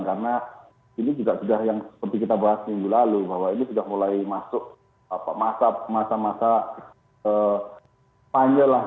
karena ini juga sudah seperti yang kita bahas minggu lalu bahwa ini sudah mulai masuk masa masa panjel lah